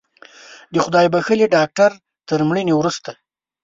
د خدای بښلي ډاکتر تر مړینې وروسته